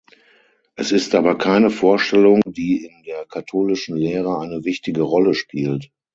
Es ist aber keine Vorstellung, die in der katholischen Lehre eine wichtige Rolle spielt.